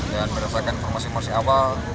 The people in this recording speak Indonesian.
dan berdasarkan informasi informasi awal